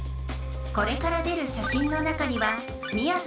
これから出るしゃしんの中にはみやぞ